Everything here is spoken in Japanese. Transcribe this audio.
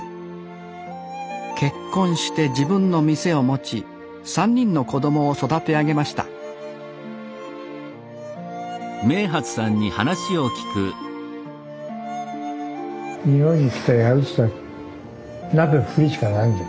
結婚して自分の店を持ち３人の子供を育て上げました日本に来てやるっつったら鍋振るしかないんだよ